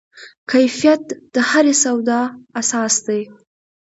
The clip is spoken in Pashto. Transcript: کیفیت د هرې سودا اساس دی.